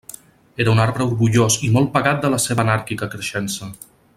Era un arbre orgullós i molt pagat de la seua anàrquica creixença.